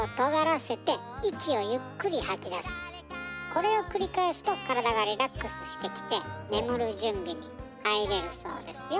これを繰り返すと体がリラックスしてきて眠る準備に入れるそうですよ。